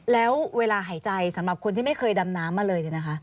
แล้วเวลาหายใจสำหรับคนที่ไม่เคยดำน้ำมาเลย